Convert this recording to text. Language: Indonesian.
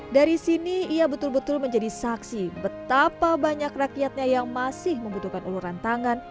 dari sini ia betul betul menjadi saksi betapa banyak rakyatnya yang masih membutuhkan uluran tangan